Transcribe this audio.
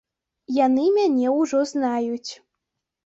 Яны мяне ўжо знаюць.